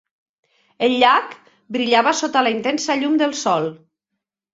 El llac brillava sota la intensa llum del sol.